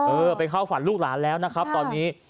เออไปเข้าฝันลูกหลานแล้วนะครับตอนนี้